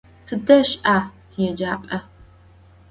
Tıde şı'a tiêcap'e?